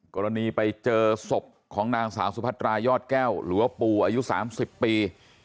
กรณีไปเจอศพของนางสาวสุพัตรายอดแก้วหรือว่าปูอายุ๓๐ปี